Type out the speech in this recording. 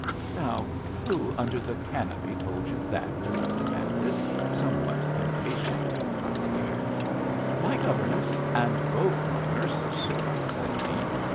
"Now, who under the canopy told you that?" I demanded, somewhat impatiently, I fear. "My governesses and both my nurses, sir," said he.